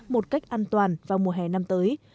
một cách an toàn vào mùa hè năm tới